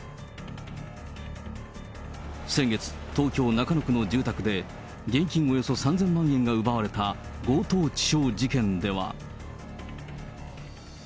先月、東京・中野区の住宅で、現金およそ３０００万円が奪われた、強盗致傷事件では。